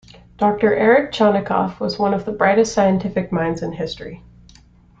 Doctor Eric Chanikov was one of the brightest scientific minds in history.